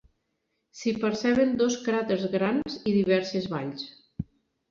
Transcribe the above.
S'hi perceben dos cràters grans i diverses valls.